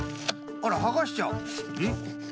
あらはがしちゃう？